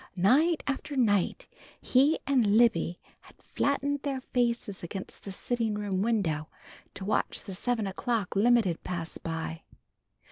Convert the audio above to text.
Night after night he and Libby had flattened their faces against the sitting room window to watch the seven o'clock limited pass by.